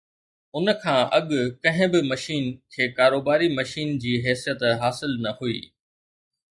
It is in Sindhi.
ان کان اڳ ڪنهن به مشين کي ڪاروباري مشين جي حيثيت حاصل نه هئي